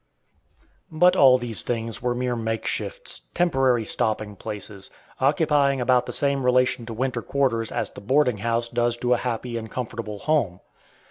But all these things were mere make shifts, temporary stopping places, occupying about the same relation to winter quarters as the boarding house does to a happy and comfortable home.